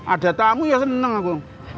ada tamu ya seneng aku